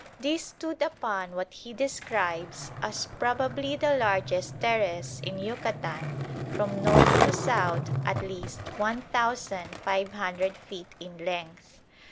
This stood upon what he describes as probably the largest terrace in Yucatan, from north to south at least 1,500 feet in length.